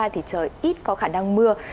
thì trời ít có khả năng mưa